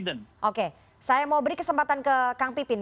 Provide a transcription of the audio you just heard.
oke saya mau beri kesempatan ke kang pipin